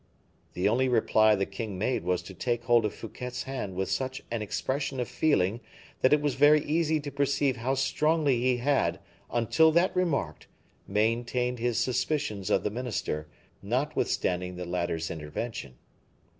The only reply the king made was to take hold of Fouquet's hand with such an expression of feeling, that it was very easy to perceive how strongly he had, until that remark, maintained his suspicions of the minister, notwithstanding the latter's intervention.